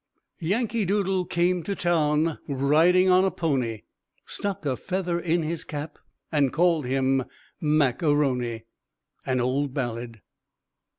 Yankee Doodle came to town, Riding on a pony, Stuck a feather in his cap, And called him "Mac A'Rony." _Old Ballad.